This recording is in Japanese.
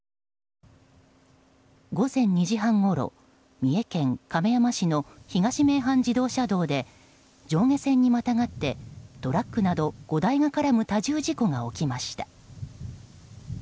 午前２時半ごろ三重県亀山市の東名阪自動車道で上下線にまたがってトラックなど５台が絡む多重事故が起きました。